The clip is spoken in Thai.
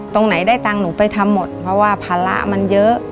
ตรงไหนได้ตังค์หนูไปทำหมดเพราะว่าภาระมันเยอะ